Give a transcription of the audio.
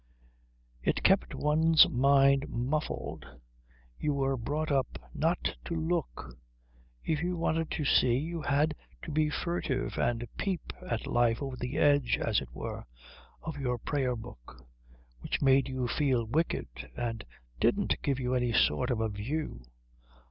It kept one's mind muffled. You were brought up not to look. If you wanted to see you had to be furtive and peep at life over the edge, as it were, of your Prayer book, which made you feel wicked and didn't give you any sort of a view.